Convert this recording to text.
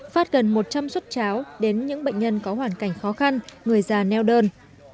phát gần một trăm linh xuất cháo đến những bệnh nhân có hoàn cảnh khó khăn người già neo đơn